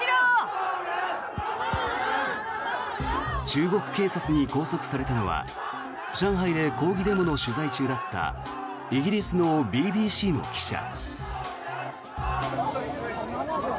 中国警察に拘束されたのは上海で抗議デモの取材中だったイギリスのＢＢＣの記者。